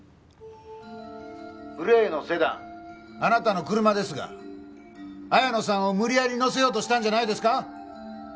「グレーのセダン」あなたの車ですが綾野さんを無理やり乗せようとしたんじゃないですか？